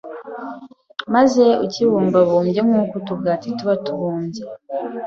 maze ukibumbabumbe nk’uko utugati tuba tubumbye.